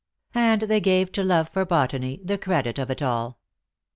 And they gave to love for botany the credit of it all.